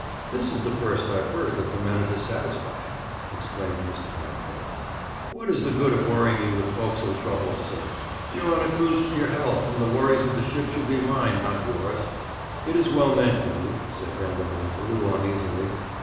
'This is the first time I've heard that the men are dissatisfied,' exclaimed Mr. Vanderholt. 'What is the good of worrying you with fo'c's'le troubles, sir? You're on a cruise for your health, and the worries of the ship should be mine, not yours.' 'It is well meant, Glew,' said Vanderholt, a little uneasily.